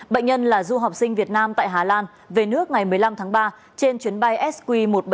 bệnh nhân là du học sinh việt nam tại hà lan về nước ngày một mươi năm tháng ba trên chuyến bay sq một trăm bảy mươi năm